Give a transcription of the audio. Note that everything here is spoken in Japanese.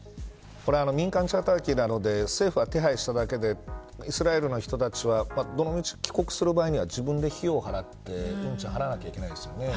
これは民間チャーター機なので政府が手配しただけでイスラエルの人たちはどのみち帰国する場合には自分で費用を払わなきゃいけないですよね。